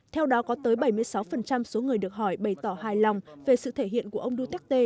theo đó có tới bảy mươi sáu số người được hỏi bày tỏ hài lòng về sự thể hiện của ông duterte